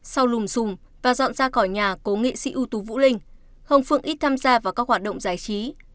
sau lùm xùm và dọn ra khỏi nhà cố nghệ sĩ ưu tú vũ linh ông phượng ít tham gia vào các hoạt động giải trí